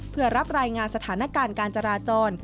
เพื่อรับรายงานสถานการณ์การจราจร